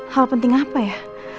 hal penting apa ya